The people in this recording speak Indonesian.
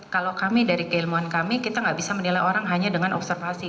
kalau kami dari keilmuan kami kita nggak bisa menilai orang hanya dengan observasi